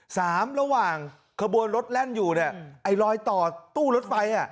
ระหว่างขบวนรถแล่นอยู่เนี่ยไอ้รอยต่อตู้รถไฟอ่ะ